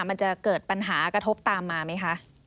มันจะเกิดปัญหากระทบตามมาไหมคะ